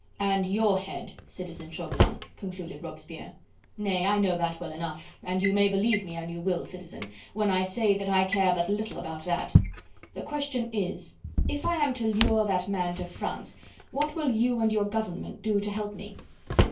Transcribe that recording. "And your head, Citizen Chauvelin," concluded Robespierre. "Nay! I know that well enough, and you may believe me, and you will, Citizen, when I say that I care but little about that. The question is, if I am to lure that man to France what will you and your government do to help me?"